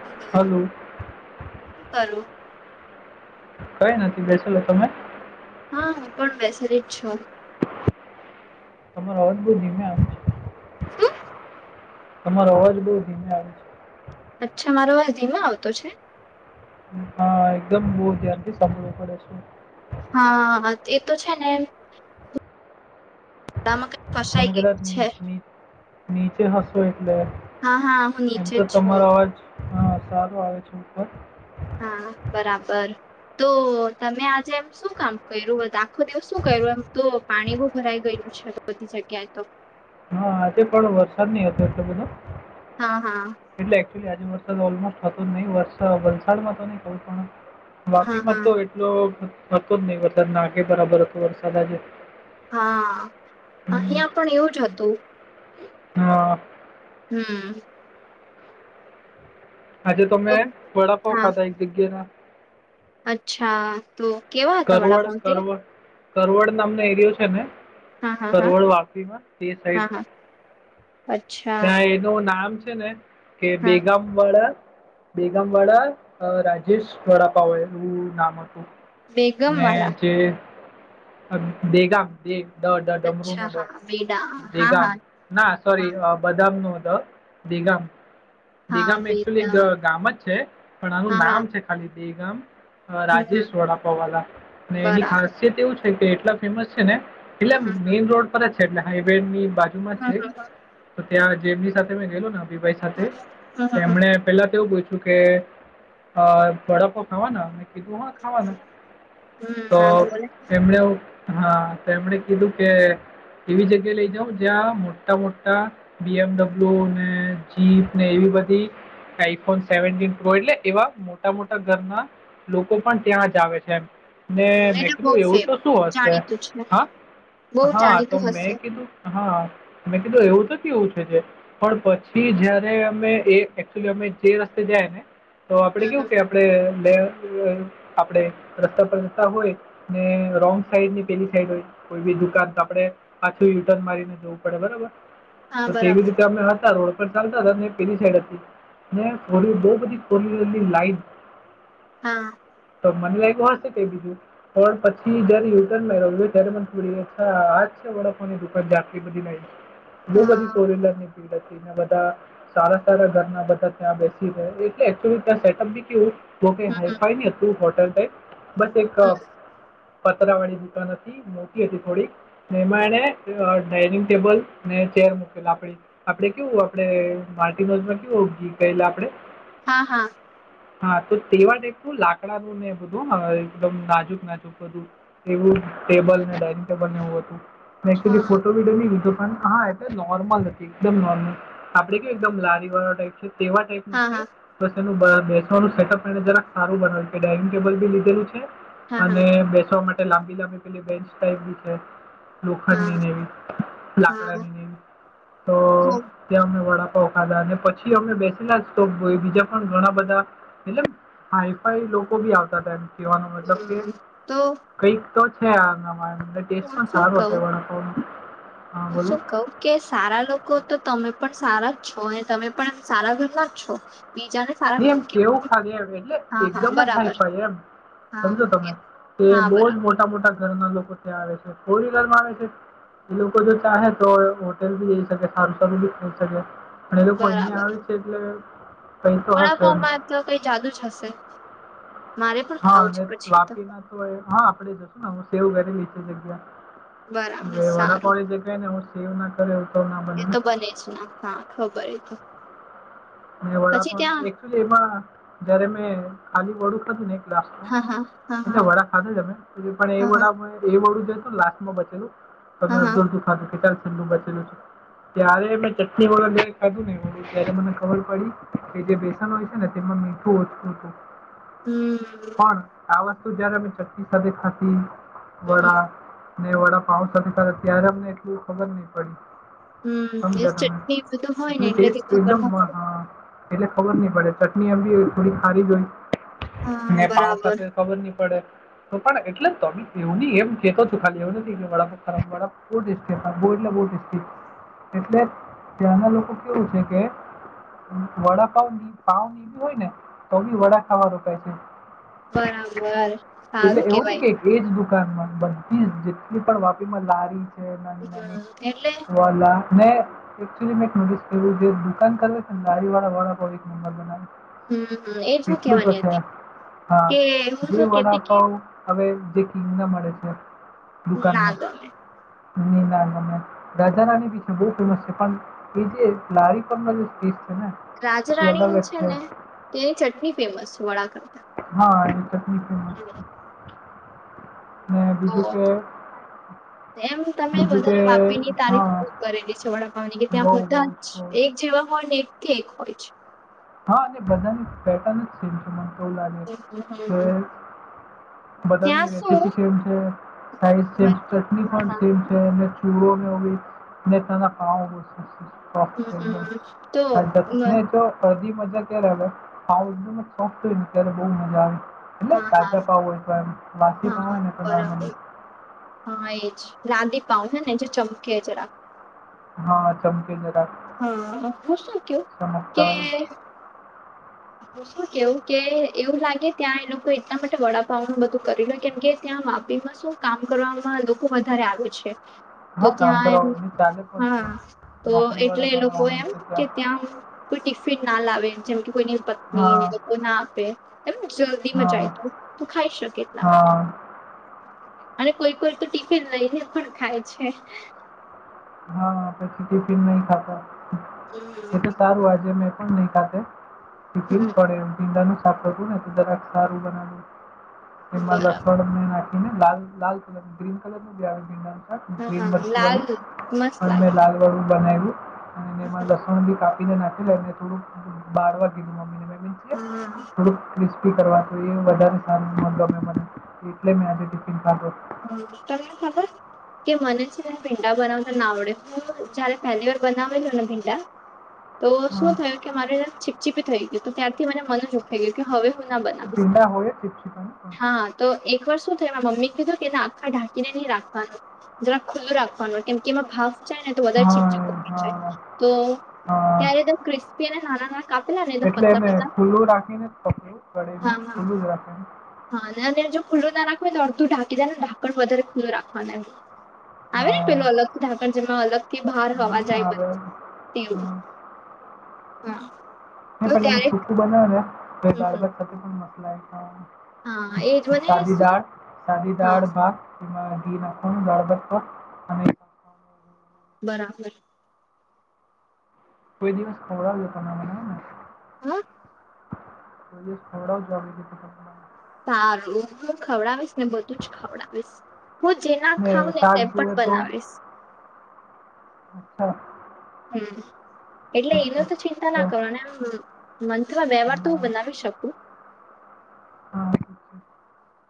Hello શું કરો કઈ નથી ક્રરતો તમે હા હું પણ મેસરી જ છું તમારો અવાજ બઉ ધીમે આવે છે તમારો અવાજ બહ ધીમે આવે છે. અચ્છા મારો વાસ ધીમા આવતો છે. હા એકદમ બહુ ધ્યાનથી સમજવું પડે છે હા એ તો છે ને માં કઈ તમે ફસાઈ ગયું કદાચ છે ની- ની- નીચે હસો એટલે હા હા હું એમ નીચે તો જ છું તમારો અવાજ હા સારું આવે છે. હા બરાબર તો તમે આજે એમ શું કામ કર્યું આખો દિવસ શું કર્યું એમ તો પાણી બહ ભરાઈ ગયેલું છે. શગ્યા તો હા આજે પણ વરસાદ નહ હતો એટલ બધો હા હા એટલે એકચુલી આજે વરસાદ ઓલમોસ્ટ હતો જ નહી વરસા વલસાડમાં તો નઈ ક પણ હા વાપીમાં હા તો એટલો હતો જ નહ વરસાદ નાખે બરાબર હતો વરસાદ આજે હા હમ, અહિયાં પણ એવું જ હતું હા હમ આજે તો તમે વડાપ હા ખાધા એક જગ્યા ના અચ્છા તો કેવા હતા કરવડ વડાપાઉ તે કરવડ કરવડ નામનો એરિયો છે ને હા હા હા કરવડ વાપીમાં તે હા સાઈડ હા અચ્છા ત્યાં નું નામ છે ને કે હા બેગામ વડા બેગામવાળા રાજેશ વડાપાઉ હો નામ હતું બેગમ વાળા મેને જે દેગામ બે ડ દ ડમર અચ્છા હા બેડા ન હા બેગામ હા ના હા સોરી બદામ નો હતો દીગામ હા દગામ એકચુલી એક બેદા ગામ જ છે પણ આનું હા હા નામ છે ખાલી દેગમ હમ હમ રાજેશ વડાપાવાલા એની બરાબર ખાસિયત એવું છે કે એટલા ફેમસ છે ને હમ એટલે હમ મેઈન રોડ પર જ છે એટલે હાઈવે ની બાજુમાં છે તો ત્યાં જેમની સાથે મેં ગયલને અભિભાઈ સાથે હમ હમ એમને પેલા તોવું પું તો કે બડકો ખાવાના કીધું હ ખાવાના હમ ના તો બોલે એમણે હા તો એમણે કીધું કે એવી જગ્યા લઈ જાઉ જ્યાં મોટા મોટા બી એમડબલ્યુ ને જીપ ને એવી બધી આઈફોન સેવ પ્રો એટલે એવા મોટા મોટા ઘરના લોકો પણ ત્યાં જ આવે છે એ હમ, ને મેં એટલે બઉ કીધું એવું ફેમ તો શું હશે જાણીતું છે બહુ હા હા તો જાણીતું મેં હશે કીધું હા મેં કીધું એવું તો કેવું છે જે પણ પછી જયારે અમે એચુલી અમે જે રસ્તે જાય ને તો આપડે હમ કેવું હમ કે આપડે આપડે રસ્તા પર રસ્તા હોય ને રોંગ સાઈડ ની પેલી સાઈડ હોય કોઈ બી દુકાન તો આપડે પાછુંટર્ન મારીને પડે હા બરોબર તેવી બરાબર રીતે અમમે હતા રોડ ચાલતા હતા પેલી સાઈડ હતી ને થોડી બહ બધી થો લાઈન હા તો મને લાગું હશે કે બીજું પણ પછી જયારે યુટન રહ ત્યારે થોડીા આજ છે વળકોની દુ બધી બહુ બધી હા ફોર વ્લર ની ભીડ હતી બધા સારા સારા ઘરના બધા ત્યાં બેસી ગ એટલેચલી ત્યાં સેટઅપ બી કેવું જોકે હમ હમ હાઈફાઈ નહી હતું હોટલ ટ બસ એક હમ પતરા વાળી દુકાનથી મોતી હતી થોડીક ને એમાં એને ડાઇનિંગ ટેબલ ને ચેર મૂકેલ આપડી આપડે કેવું આપડે મા્ટનોઝમાં કેવું પહેલા આપડે હા હા હા તો તેવાનેું લાકડાનું ને તુ દુ કદમ નાજુક નાજુક બધું એવું ટેબલને ડઇનિંગ ટેબલને એવું હતું મેં એકચુલી હા ફોટો વિડીયો ન લીધો પણ હા એ નોર્મલ હતી એકદમ નોર્મલ આપડે કયું એકદમ લારી વાળા ટાઈપ છે તેવા હા નહી હા એ બેસવાનું સેટઅપ જરાક સારું બના્યું ડઇનિંગ ટેબલ બી લીધેલું છે હા અને હા બેસવા માટે લાંબી લાંબી પે બેન્ચ ટાઈપી છે લોખંડ હા હા નીવી હા, લાકડાની તો ત્યાં અમે વડાપાવ ખાધા અને પછી અમે બેસેલા તો બીજા પણ ઘણા બધા એટ હાઈફાઈ લોકો ભી આવ કવાનું મતલબ કે હમ. તો કઈક તો છે આના ટેસ્ટ હું પણ શું સારું કઉ હતો વડાપનું હા હું બોલો શું કવ કે સારા લોકો તો તમે પણ સારા જ છો અને તમે પણ સારા ઘરના જ છો બીજાને સારા એ ઘર એમ કેવું કેવા ખા એ એટલે હા હા એકદમ જ હાઈ બરાબર ફાઈ એમ સમજો તમે હા તે હા બહુજ બરાબર મોટા મોટા ઘરના લોકો ત્યાં આવે છે ફોર વ્હીલર માં આવે છે એ લોકો જો ચાહે તો હોટલ ભી જ સકે સારું સારું ભી ખઈ સકે અ એ તો પો આ વિ છેેટલે કંઈ પળકોમાં તો કઈ જાદુ જ હશે મારે પણ હા ખાવું છે અને પછી તો વાપીના તો હા આપડે જશું ને હ સેવું કરેલી છે જગ્યા બરાબર હવે વડાપઉ સારું જે ક ને એ સેવ ના કરે એવું તો ના એ બને તો બને છે ના હા ખબર એ તો અને વડાપ પછી ત્યાં એકચુલી એમાં જયારે મેં ખાલી વડુંખ હતું ને લ હા હા હા એટલે હા વડા ખાધા જમે એ હા હા વડા એ વડું જ તો લાસ માં બચેું ત હા હા અધધ લું ત્યારે મે ચટ વા જ ખાધું ને મ ખબર પડી કે જે બેસન હોય છે ને તેમાં મીઠું ઓછું હતું હમ પણ આ વસ્તુ જયારે અમે ચટકી સાથે ખાતી હમ વડા ને વડા પાઉસ ત્યારે અમને એટલું ખબર નહી પડી હમ એ સમજ્યા તમે ચટણી બધું હોય ને એટલે કે ટેસ્ટ ખબર એકદમ ના પડે એટલે ખબર નહ પડે ચટણી એી હો થોડી ખારી જ હોય હા ને પાાવ બરાબર સાથે ખબર નહી પડે તો પણ એટલે તમે એવની એમ કેતો છો ખાલી એવું નથી કે ખરાબળ કે બો એટલે બહુ ટેસ્ટી એટલે ત્યાંના લોકો કેવું છે કે વડાપાવ ભાવની બી હોય ને તો બી વડા ખાવા રોકાય છે બરાબર એટલે સારું એવું નહીં કેવાય કે એક એજ દુકાનમાં બધી જ જેટલી પણ વાપીમાં લારી કે નંદની હમ એટલે વાલા એકચ મે એક નોટિસ ક દુકાન કર છે ને ગાડી વાળા વાળ નંબર હમ હમ, એ બનાવે શું એટલું તો કેવાની છે હતી હા કે હું શું જે કેતી કે વડાપાવ હવે જે કિંગ ના મળે છે ના દુકાનમાં ગમે નિ નાને દજની વિષભ ઉપલો શફાન એ જે લારી પણનો જે સ્પીડ છે ને એ અલગ જ રાજરાણી છે ને તેની ચટણી ફેમસ છે વડા કરતા હાજ ચકલીક હમ મેને બીજું કે એમ તમે બીજું કે વધારે વાપરીની હા તારીફૂ કરેલી છે વડાપાવની કે ત્યાં બહુ બહુ બધા જ બહુ એક જ જેવા હોય ને એક થી એક હોય છે હા અને બધાની પેટર્ન જ છેમ છે મને તોવું લાગે છે હમ કે હમ. ત્યાં બધાની રેસીપી શું સેમ છે સા સે છે ચટ હા પણ હા સે છે ચૂો મેી મે ત ના ખા હમ હમ તો હા હ તો અડધી મજા ત્યારે આવે એકદમ જ સોય ને ત્યારે બહ મજા આવે એટલે હા તાજા પાવ હોય તો એમ વાસી પાવ હા હોય ને તોમ બરાબર હા એ જ રાંધી પાઉને એ ચમકેરા હા ચમકી જ હા હું શું કું કે ચમકતા હોય હું શું કેવું કે એવું લાગે ત્યાં એ લોકો એટલા માટે વડાપાવ નું બધું કરી લો કેમ કે ત્યાં વાપીમાં શું કામ કરવામાં લોકો વધારે આવે છે તો હા કામ ત્યાં એમ કરાવો ને ચાલે પણ હા છે તો એટલે નોકરીવાળા એ ઘણા લોકો હોય એમ છે કે ત્યાં કોઈ ટિફિન ના લાવે જેમ કે કોઈ પત્ની હા લોકો ના આપે એમ જલ્દી મજાય હા ત તું ખાઈ શકે માટે હા અને કોઈ કોઈ તો ટિફિન લઈને પણ ખાય છે હા પ ટિફિન નહી ખાતા હમ એ તારું આજ મે ન ક ટપ હમ પર પી ું ને તોક સારું બનાવ એમાં લ બરાબર ડર મે નાખી લ લાલ કલર ગ્રીન કલરી આવે ગ્રીન હા બરી લાલ વાી મસ્ત પણ મેં લાગે લાલ વરું બનાવ્યું હા અનેમાં લસ બી કાપીને નાખી લે અને થોડું બાારવા કીધું મી હમ થ ક્રિસ્પી કરવા એ વધારે સારો મેને એટલે મેં આજે ટિફિન ખાધો હમ તમને ખબર કે મને છે પીંડા બનાવતા ના આવડે જયારે પેલી વાર બનાવેલોો ને ભીંડા તો શું હા થયું કે મારેમ છીપછીપી થઈ ગય તો ત્યારથી મને મન જખાઈ ગયું કે હવે ભીંડા હોય જ કેપ્સિકમ પણ હા તો એક વાર શું થાય એ મમ્મી કીધું એના આખા ઢાંકીને નહીં રાખવાનું જરાક ખુલ્લું રાખવાનું કેમ કે એમાં ભાવ વધારે ચીપચ હા હા તો હા ત્યારેદમ ક્રિસ્પી અને નાના ના એટલે એને ખુલ્લું રાખીને પપડું કળીું હા હા ખુલ્લું જ રાખી હા અને જો ખુલ્લું ના રાખ હો ને અડું ઢાકીાય ને ઢાકણ વધારે ખુલ્લું રાખવાના એું આવે ને હા પેલું અલગથી ઢાકણ જેમાં અલગ થી બહાર હા હોવા જાય હા હવે બધું તેવું હા હા ન તો પણ એને ત્યારે સૂકું બનાવ હમ દાળ હમ ભાત સાથે પણ મલા હા ખવા એજ મને સાદી શું દાળ સાદીી હા દાળ ભાગ માં દી ના ગાળ દ તો અને બરાબર કોઈ દિવસ ખવડાવ ત મને ને હા પ થોડા જબ સારું હ ખવડાવીશ ને બધું જ ખવડાવીશ હું જેના ખઉં ને તે શાક પણ જુએ તો બનાવીશ અચ્છા હમ એટલે ઠીક એનો છે તો ચિંતા ના કરો અનેમ મંથમાં બે વાર તો હું હા બનાવી શકું હા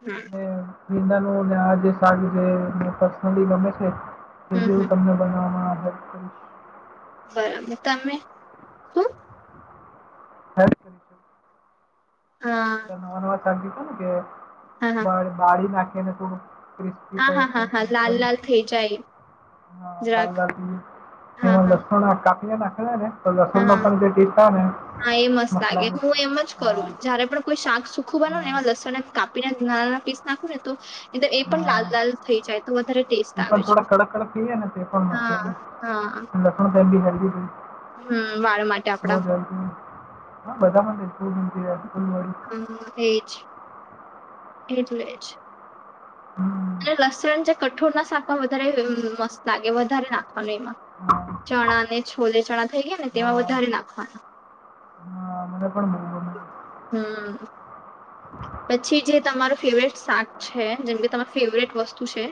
હમ વિીંદ નું ને આ જે સારું છેને પર્સનલી ગમે છે એ હમ બવું હમ તમને બનાવવામાં આવે બરાબર તમે શું હા છે હા લા નવા નવા સાકીધ ને કે હા હા બાળી નાખીને થડું હા હા હા હા લાલ લાલ થઈ જાય હા જરાક દદા કે હા હા લસણ કાપિયા દાખલા તો હા લસુણમાં પણ જે ટતા ને હા એ મસ્ત લાગે મતલાે હું એમ જ કરું જયારે પણ કોઈ શાક સુખું બનો ને હા એમાં લસણને કાપીને નાના નાના પીસ નાખો ને તો એ પણ હા લાલ લાલ થઈ જાય તો વધારે ટેસ્ટ એ આવે પણ છે થોડા કડક કડક થઈ જાય હા હા ખ ટાઈમ બ હેલ્દી છે હમ વાળ માટે બહ આપડા જલ્દી હતી હા બધામાં જું ફુલી હ એજ એટ એજ હમ અને લસણ જે કઠોળ ના શાક માં વધારે મસ્ત લાગે વધારે નાખવાનું એમાં [unintelligible] ચણા ને છોલે ચણા થઈ ગયા ને તેમાં હા વધારે નાખવાના હા પણ ગમે હમ પછી જે તમારું ફેવરેટ શાક છે જેમ કે તમારી ફેવરેટ વસ્તુ છે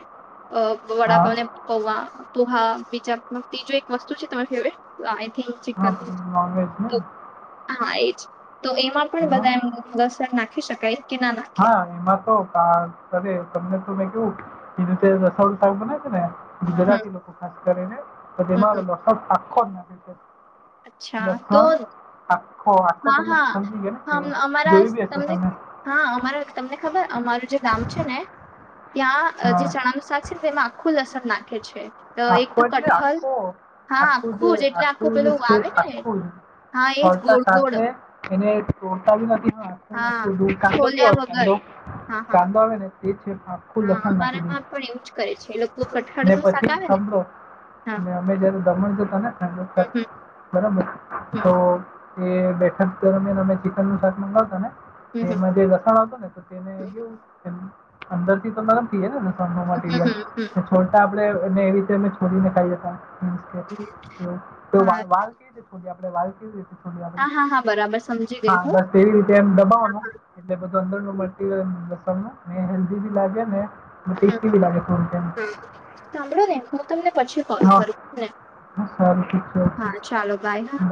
હા વડાપાવને પૌવા પોહા બીજા ત્રીજું એક વસ્તુ છે તમારી ફેવરેટ આઈ થિક ચિકન હા પેલું નોનવેજ ને તો હા એજ તો એમાં પણ બધા એમ લસણ નાખી શકાય કે ના નાખે હા એમાં તો અરે તમને તો મે કેવું એ રીતે રસોડું સા બને છે ને હમ ગુજરાતી ખાસ કરીને તો હમ તેમાં હમ લસણ આખો જ નાખ અચ્છા તો. આખો આખો હા તમને હા સમજી ગયો ને કેવ હમ અમારા જોયું બી હશે તમને તમે. હા અમારા તમને ખબર અમારું જે ગામ છે ને. ત્યાં જે હા ચણાનું શાક છે ને તેમાં આખું લસણ નાખે છે. તો એક આખો તો એટલે કટહલ આખો હા આખું જે જ એટલે પેલું આખું આવે ને આખું. હા એજ છોલતા ગોળ ગોળ સાથે એને તોડતા બી નથી હા ને કાંદો છોલ્યા કેવા વગર કાંદો હા હા કાંદો આવે ને તે છે. આખું હા લસણ નાખી દે અમારામાં પણ એવું જ કરે છે એ લોકો કઠાળ ને નું શાક પછી આવે ને. હા અમે જયારે દમણ ગ્યાતા ને ફેમિલી જોડે હમ હમ બરાબર હમ તો. એ બેઠક દરમિયાન અમે ચિકન નું શાક મગાવતા ને હમ એમાં જે લસણ આવતૂ ને. તેને હમ કેવું અંદર હમ થી હમ હમ. [unintelligible] છોટા આપે. અને એ રીતે અમે છોડીને ખાઈ જતા હા વા. [unintelligible] હા હા હા બરાબર સમજી ગઈ હા હું. બસ એવી રીતે એમ દબાવો ને એટલે બધું અંદર ની મટીરીયલ મસોલો હલ્દી ની લાગેને. હમ ટેસ્ટી હમ બી લાગે હા સાંભળો ને હું તમને પછી કોલ હા કરું ને હા ચાલો બાય હા.